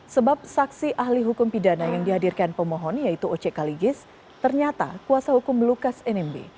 sebab saksi ahli hukum pidana yang dihadirkan pemohon yaitu oce kaligis ternyata kuasa hukum lukas nmb